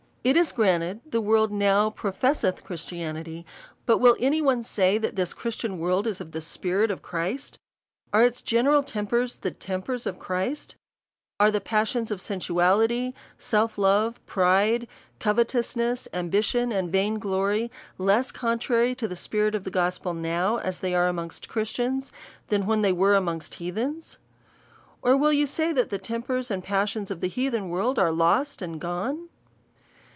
It is granted, the world now professeth Christianity,, but will any one say, that this Christian world is of the spirit of Christ? Are its general tempers the tempers of Christ ? Are the passions of sensualityj 228 A SEIliOUS CALL TO A self lovCj pride, covetoiisness, ambition, and vain g Io ry, less contrary to the spirit of the gospel, now they are amongst Christians, than when they were amongst heathens .^ Or will yon say, that the tempers and pas sions of the heathen world are lost and gone